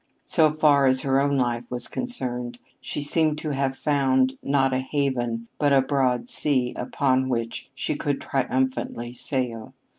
So far as her own life was concerned, she seemed to have found, not a haven, but a broad sea upon which she could triumphantly sail.